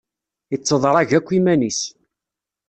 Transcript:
Itteḍrag akk iman-is.